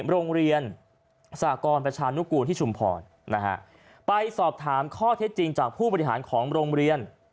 โรงเรียนสหกรประชานุกูลที่ชุมพรนะฮะไปสอบถามข้อเท็จจริงจากผู้บริหารของโรงเรียน